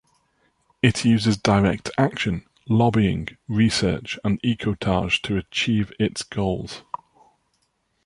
It uses direct action, lobbying, research, and ecotage to achieve its goals.